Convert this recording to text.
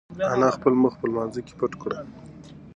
انا خپل مخ په لمانځه کې پټ کړ.